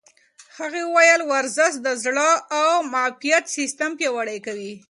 هغې وویل ورزش د زړه او معافیت سیستم پیاوړتیا کوي.